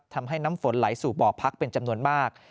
ทำให้น้ำฝนไหลสู่บ่อพักเป็นจำนวนมาก